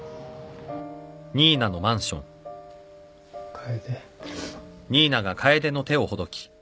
楓。